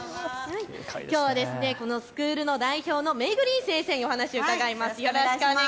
きょうはこのスクールの代表のメイグリーン先生にお話を伺います。